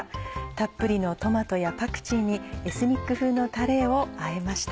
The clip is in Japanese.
たっぷりのトマトやパクチーにエスニック風のタレをあえました。